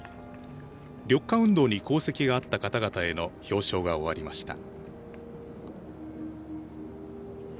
緑化運動に功績があった方々への表彰が終わりました。